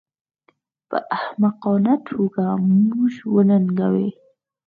په احمقانه توګه موږ وننګوي